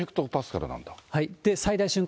最大瞬間